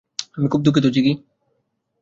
আমি খুব দুঃখিত, জিগি।